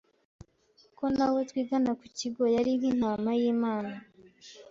ko na we twigana ku kigo yari nk’intama y’Imana